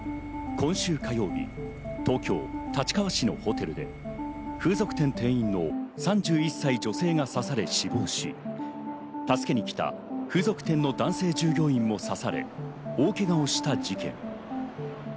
今週火曜日、東京・立川市のホテルで風俗店店員の３１歳女性が刺され死亡し、助けに来た風俗店の男性従業員も刺され大けがをした事件。